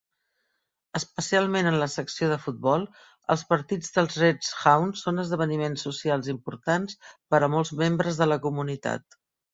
Especialment en la secció de futbol, els partits dels Redhounds són esdeveniments socials importants per a molts membres de la comunitat.